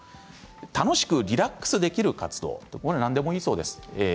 楽しくリラックスできる活動何でもいいそうです。